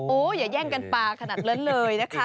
โอ้ยอย่าแย่งกันปลาขนาดเลินเลยนะคะ